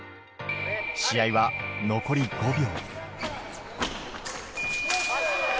試合は残り５秒。